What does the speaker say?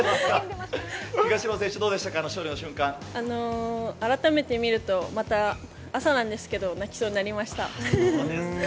東野選手、どうでしたか、改めて見ると、また朝なんですけど、そうですか。